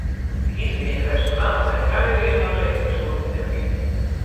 Wy ite by in restaurant en kuierje noch efkes oer de merk.